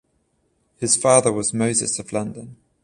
His father was Moses of London.